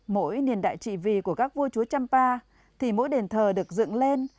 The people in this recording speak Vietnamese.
mỗi niền đại trị vì của các vua chúa champa thì mỗi đền thờ được dựng lên